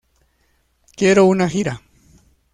Quiero una gira.